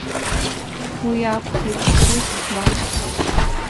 Уиакәхеит, сус ӡбан.